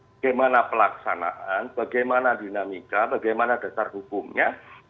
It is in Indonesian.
bagaimana pelaksanaan bagaimana dinamika bagaimana dasar hukumnya